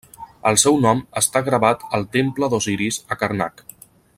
El seu nom està gravat al temple d'Osiris a Karnak.